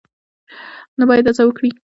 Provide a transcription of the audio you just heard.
نو باید هڅه وکړي